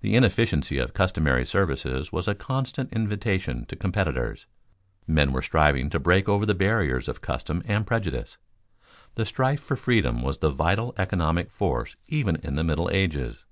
The inefficiency of customary services was a constant invitation to competitors. Men were striving to break over the barriers of custom and prejudice. The strife for freedom was the vital economic force even of the Middle Ages.